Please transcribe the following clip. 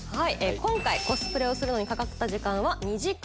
今回コスプレにかかった時間は２時間。